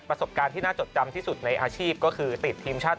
ประสบการณ์ที่น่าจดจำที่สุดในอาชีพก็คือติดทีมชาติ